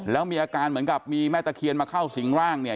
แล้วมีอาการเหมือนกับมีแม่ตะเคียนมาเข้าสิงร่างเนี่ย